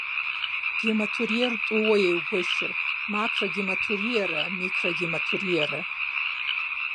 Гематуриер тӏууэ егуэшыр: макрогематуриерэ микрогематуриерэ.